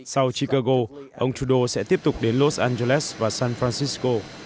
sau chicago ông trudeau sẽ tiếp tục đến los angeles và san francisco